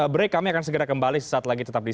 break kami akan segera kembali sesaat lagi tetap di